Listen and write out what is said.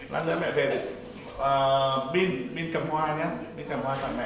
lát nữa mẹ về thì pin cầm hoa nhé pin cầm hoa tặng mẹ được chưa